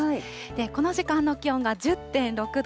この時間の気温が１０．６度。